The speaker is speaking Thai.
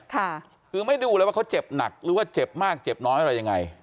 ค่ะคือไม่ดูเลยว่าเขาเจ็บหนักหรือว่าเจ็บมากเจ็บน้อยอะไรยังไง